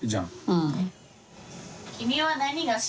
うん。